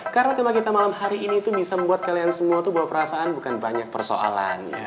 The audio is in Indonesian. karena tema kita malam hari ini tuh bisa buat kalian semua tuh bawa perasaan bukan banyak persoalannya